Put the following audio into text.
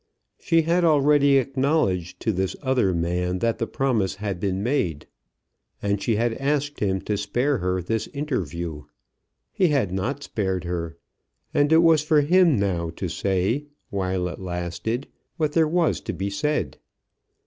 She had already acknowledged to this other man that the promise had been made, and she had asked him to spare her this interview. He had not spared her, and it was for him now to say, while it lasted, what there was to be said.